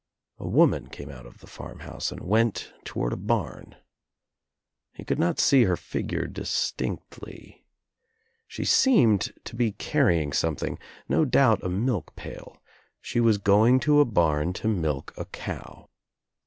A woman came out of the farmhouse and went toward a barn. He could not see her figure distinctly. She seemed to be carry ing something, no doubt a milk pail; she was going to a barn to millc a cow.